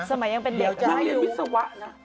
สมัยยังเป็นเดียวจะให้อยู่อยากพูดเรียนวิศวะนะ